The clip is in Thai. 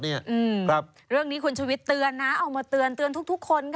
เนี่ยบ๊วยเรื่องนี้คุณช่วยเตือนนะเอามาเตือนทุกคน